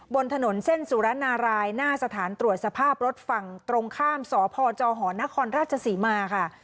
บนถนนเส้นสุรนารายหน้าสถานตรวจสภาพรถฝั่งตรงข้ามสพจหนครราชศรีมาค่ะ